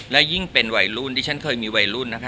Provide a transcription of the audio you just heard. และยิ่งเป็นวัยรุ่นที่ฉันเคยมีวัยรุ่นนะคะ